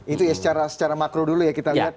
itu ya secara makro dulu ya kita lihat